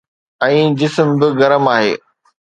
۽ جسم به گرم آهي.